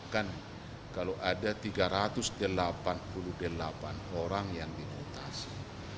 kan kalau ada tiga ratus delapan puluh delapan orang yang dimutasi